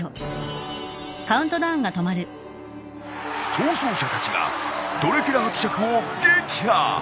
逃走者たちがドラキュラ伯爵を撃破。